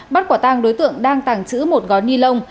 bắt quả tang đối tượng đang tàng trữ một gói ni lông